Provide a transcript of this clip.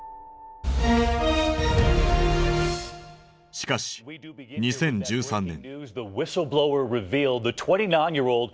しかし２０１３年。